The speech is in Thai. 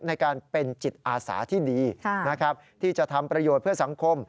ในการเป็นจิตอาสาที่ดีนะครับที่จะทำประโยชน์เพื่อสังคม